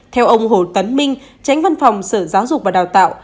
theo ông hồ tấn minh tránh văn phòng sở giáo dục và đào tạo